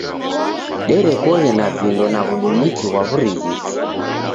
Derekoghe na vindo na w'udumiki ghwa w'urighiti.